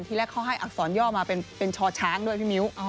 แรกเขาให้อักษรย่อมาเป็นชอช้างด้วยพี่มิ้ว